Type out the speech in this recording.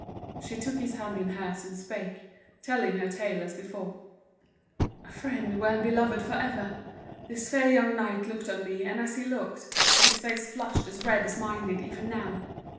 She took his hand in hers and spake, telling her tale as before. "Friend, well beloved for ever! This fair young knight looked on me, and as he looked, his face flushed as red as mine did even now.